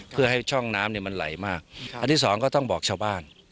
เพื่อให้ช่องน้ำเนี่ยมันไหลมากอันที่สองก็ต้องบอกชาวบ้าน